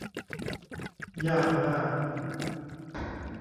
ยากมาก